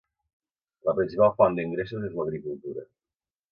La principal font d'ingressos és l'agricultura.